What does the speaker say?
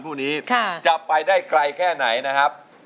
เพื่อจะไปชิงรางวัลเงินล้าน